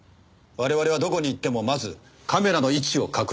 我々はどこに行ってもまずカメラの位置を確認します。